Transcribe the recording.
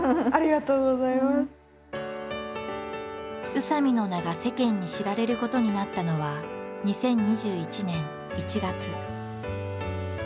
宇佐見の名が世間に知られることになったのは２０２１年１月。